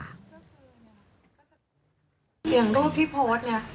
อย่างรูปที่โพสต์เนี่ย